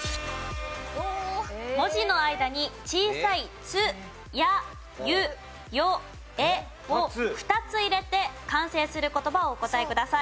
文字の間に小さい「つ・や・ゆ・よ・え」を２つ入れて完成する言葉をお答えください。